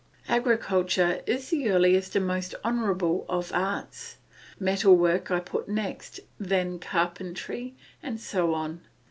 Agriculture is the earliest and most honourable of arts; metal work I put next, then carpentry, and so on.